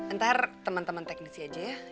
entar temen temen teknisi aja ya